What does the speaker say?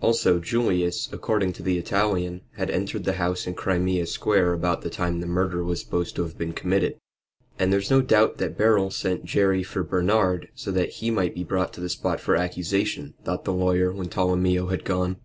Also Julius, according to the Italian, had entered the house in Crimea Square about the time the murder was supposed to have been committed. "And there's no doubt that Beryl sent Jerry for Bernard, so that he might be brought to the spot for accusation," thought the lawyer when Tolomeo had gone.